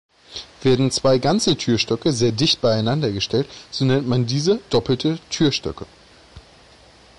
Werden zwei ganze Türstöcke sehr dicht beieinander gestellt, so nennt man diese doppelte Türstöcke.